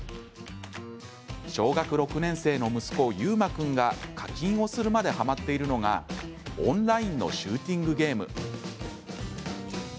小学６年生の息子、悠真君が課金をするまではまっているのがオンラインのシューティングゲーム。